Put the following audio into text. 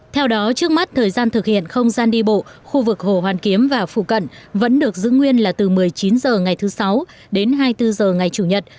theo đó trước mắt thời gian thực hiện không gian đi bộ khu vực hồ hoàn kiếm và phụ cận vẫn được giữ nguyên là từ một mươi chín h ngày thứ sáu đến hai mươi bốn h ngày chủ nhật